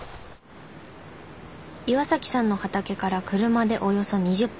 岩さんの畑から車でおよそ２０分。